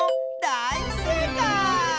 だいせいかい！